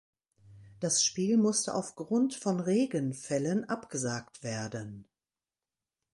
Das Spiel musste auf Grund von Regenfällen abgesagt werden.